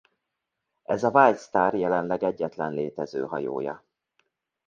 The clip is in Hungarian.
Ez a White Star jelenleg egyetlen létező hajója.